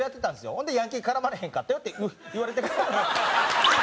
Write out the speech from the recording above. ほんで「ヤンキーに絡まれへんかったよ」って言われてから。